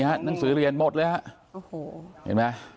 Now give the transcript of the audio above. หนังสือเรียนหมดเลยฮะ